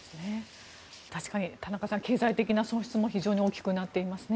確かに、田中さん経済的な損失も非常に大きくなっていますね。